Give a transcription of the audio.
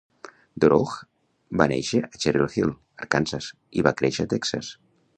Dorough va néixer a Cherry Hill, Arkansas, i va créixer a Texas.